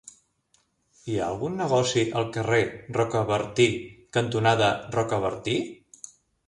Hi ha algun negoci al carrer Rocabertí cantonada Rocabertí?